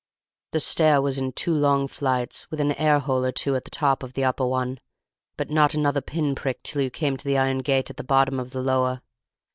"The stair was in two long flights, with an air hole or two at the top of the upper one, but not another pin prick till you came to the iron gate at the bottom of the lower.